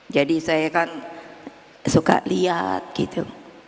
jadi saya kan suka lihat gitu